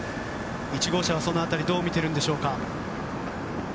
１号車はその辺りどうみているでしょうか。